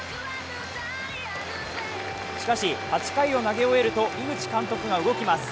しかし、８回を投げ終えると井口監督が動きます